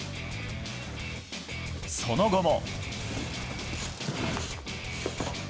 その後も。